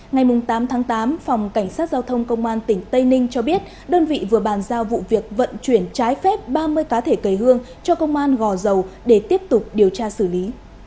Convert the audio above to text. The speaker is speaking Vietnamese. ngày tám tháng tám phòng cảnh sát giao thông công an tỉnh tây ninh cho biết đơn vị vừa bàn giao vụ việc vận chuyển trái phép ba mươi cá thể cây hương cho công an gò dầu để tiếp tục điều tra xử lý